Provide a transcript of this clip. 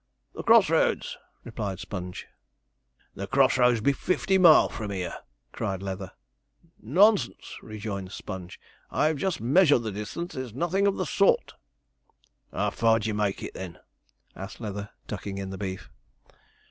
'The cross roads,' replied Sponge. 'The cross roads be fifty miles from here!' cried Leather. 'Nonsense!' rejoined Sponge; 'I've just measured the distance. It's nothing of the sort.' 'How far do you make it, then?' asked Leather, tucking in the beef.